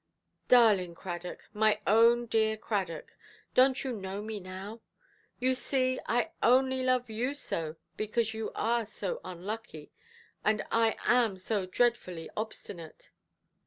"Darling Cradock, my own dear Cradock, donʼt you know me now? You see, I only love you so because you are so unlucky, and I am so dreadfully obstinate".